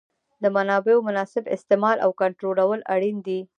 د منابعو مناسب استعمال او کنټرولول اړین دي.